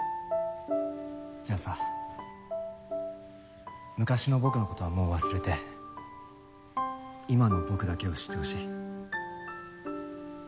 じゃあさ昔の僕の事はもう忘れて今の僕だけを知ってほしい。